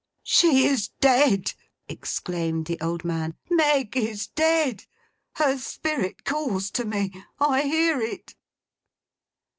'She is dead!' exclaimed the old man. 'Meg is dead! Her Spirit calls to me. I hear it!